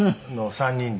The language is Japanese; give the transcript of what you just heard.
３人で？